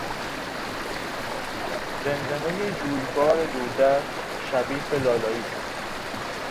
زمزمهی جویبار دور دست شبیه به لالایی بود.